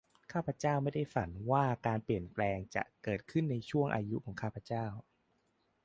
ข้าพเจ้าไม่ได้ฝันว่าการเปลี่ยนแปลงจะเกิดขึ้นในช่วงอายุของข้าพเจ้า